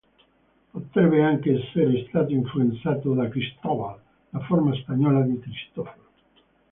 Potrebbe anche essere stato influenzato da "Cristóbal", la forma spagnola di Cristoforo.